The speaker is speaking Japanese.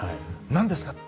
何ですか？